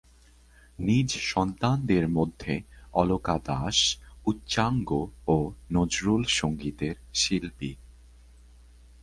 নিজ সন্তানদের মধ্যে অলকা দাশ উচ্চাঙ্গ ও নজরুল সঙ্গীতের শিল্পী।